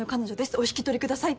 お引き取りくださいって。